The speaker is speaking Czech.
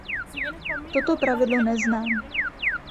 Toto pravidlo neznám.